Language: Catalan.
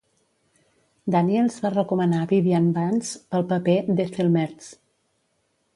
Daniels va recomanar Vivian Vance pel paper d'Ethel Mertz.